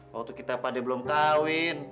waktu kita pade belum kawin